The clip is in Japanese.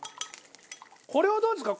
これをどうですか？